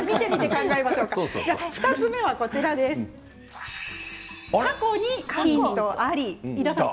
２つ目は過去にヒントあり。